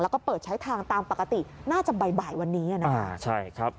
แล้วก็เปิดใช้ทางตามปกติน่าจะบ่ายวันนี้นะครับ